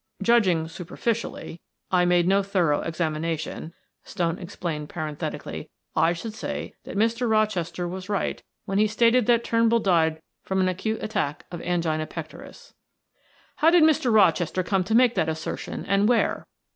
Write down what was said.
"Judging superficially I made no thorough examination," Stone explained parenthetically, "I should say that Mr. Rochester was right when he stated that Turnbull died from an acute attack of angina pectoris." "How did Mr. Rochester come to make that assertion and where?"